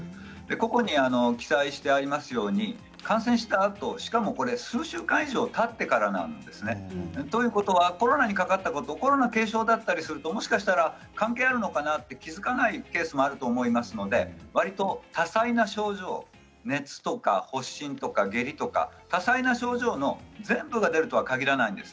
個々に記載してありますように感染したあとしかも数週間以上たってからなんですね。ということはコロナが軽症だったりするともしかしたら関係あるのかなと気付かないケースもあるかと思いますので、わりと多彩な症状、熱や発疹、下痢とか多彩な症状の全部が出るとは限らないんです。